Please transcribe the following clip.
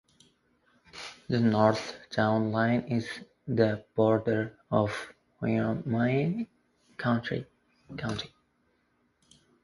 The north town line is the border of Wyoming County.